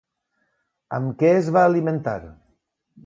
Amb què es va alimentar?